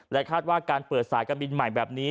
และคาดว่าการเปลี่ยนสายกันบินใหม่แบบนี้